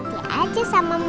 nanti aja sama mama